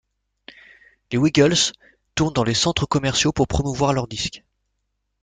Les Wiggles tournent dans les centres commerciaux pour promouvoir leur disque.